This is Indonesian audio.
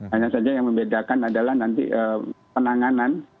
hanya saja yang membedakan adalah nanti penanganan